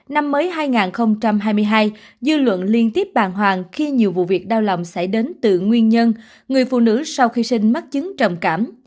năm mới hai nghìn hai mươi hai dư luận liên tiếp bàng hoàng khi nhiều vụ việc đau lòng xảy đến từ nguyên nhân người phụ nữ sau khi sinh mắc chứng trầm cảm